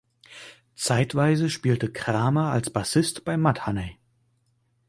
Zeitweise spielte Kramer als Bassist bei Mudhoney.